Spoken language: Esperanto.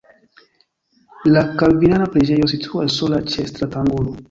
La kalvinana preĝejo situas sola ĉe stratangulo.